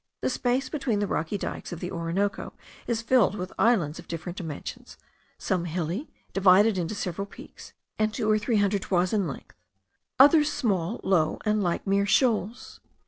The space between the rocky dikes of the Orinoco is filled with islands of different dimensions; some hilly, divided into several peaks, and two or three hundred toises in length, others small, low, and like mere shoals.